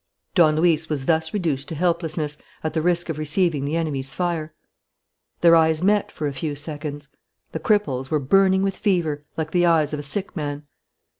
Don Luis was thus reduced to helplessness, at the risk of receiving the enemy's fire. Their eyes met for a few seconds. The cripple's were burning with fever, like the eyes of a sick man.